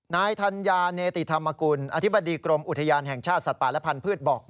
นายธัญญาเนติธรรมกุลอธิบดีกรมอุทยานแห่งชาติสัตว์ป่าและพันธุ์บอก